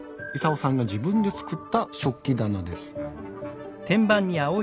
イサオさんが自分で作った食器棚です。